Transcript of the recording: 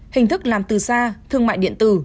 hình thức làm từ xa thương mại điện tử